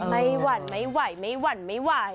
หวั่นไม่ไหวไม่หวั่นไม่ไหว